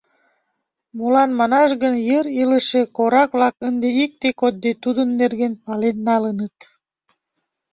Молан манаш гын йыр илыше корак-влак ынде икте кодде тудын нерген пален налыныт.